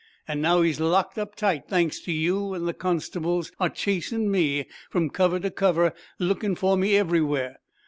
And now, he's locked up tight, thanks to you, an' the constables are chasin' me from cover to cover, lookin' for me everywhere.